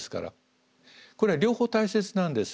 これは両方大切なんです。